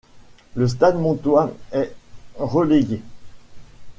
Le Stade montois est relégué.